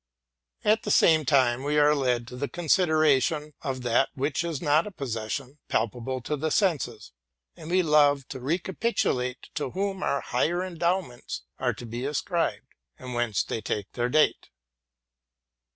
At the same time, we are led to the consideration of that which is not a possession palpable to the senses; and we love to recapitulate to whom our higher endowments are to be ascribed, and whence they take their date.